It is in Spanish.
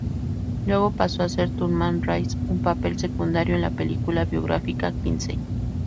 Luego pasó a ser Thurman Rice, un papel secundario en la película biográfica "Kinsey".